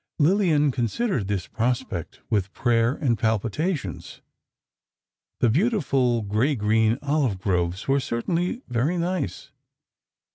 Lillian considered this prospect, with prayer and palpitations. The beautiful gray green olive groves were certainly very nice.